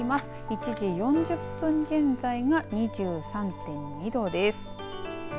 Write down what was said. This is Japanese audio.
１時４０分現在が２３．２度です。